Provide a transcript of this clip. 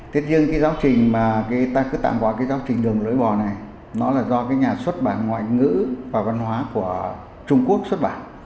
tuy nhiên cái giáo trình mà người ta cứ tạm bỏ cái giáo trình đường lưỡi bò này nó là do cái nhà xuất bản ngoại ngữ và văn hóa của trung quốc xuất bản